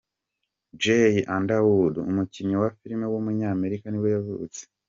Jay Underwood, umukinnyi wa film w’umunyamerika nibwo yavutse.